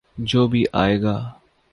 جو بھی آئے گا۔